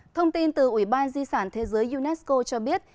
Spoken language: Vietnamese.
thông tin từ ủy ban di sản thế giới unesco cho biết